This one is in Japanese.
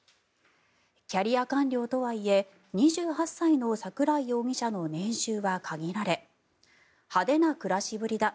キャリア官僚とはいえ２８歳の桜井容疑者の年収は限られ派手な暮らしぶりだ